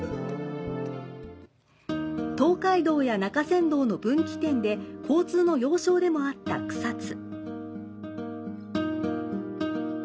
東海道や中山道の分岐点で交通の要衝でもあった草津。